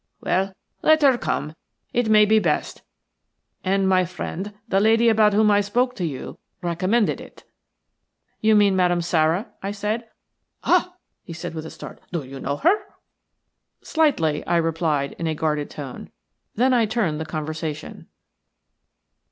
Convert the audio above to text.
Well, let her come – it may be best, and my friend, the lady about whom I spoke to you, recommended it." "You mean Madame Sara?" I said. "'YOU MEAN MADAME SARA?' I SAID." "Ah!" he answered, with a start. "Do you know her?" "Slightly," I replied, in a guarded tone. Then I turned the conversation.